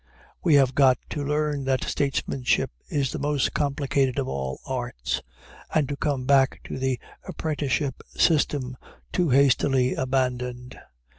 We have got to learn that statesmanship is the most complicated of all arts, and to come back to the apprenticeship system too hastily abandoned.